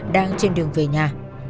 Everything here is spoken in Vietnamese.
đang trên đường về nhà